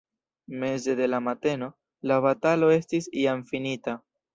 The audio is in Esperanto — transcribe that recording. Meze de la mateno, la batalo estis jam finita.